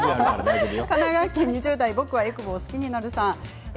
神奈川県２０代の方です。